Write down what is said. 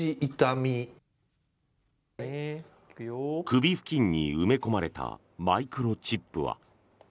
首付近に埋め込まれたマイクロチップは。